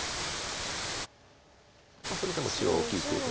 それでも中央大きいということです。